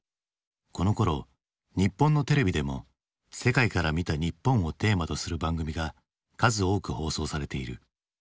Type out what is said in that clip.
このころ日本のテレビでも「世界から見た日本」をテーマとする番組が数多く放送されている。